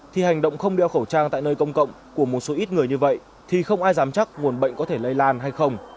thì hành động không đeo khẩu trang tại nơi công cộng của một số ít người như vậy thì không ai dám chắc nguồn bệnh có thể lây lan hay không